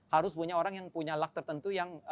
harus punya orang yang punya luck tertentu yang